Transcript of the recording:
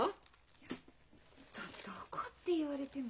いや「どこ」って言われても。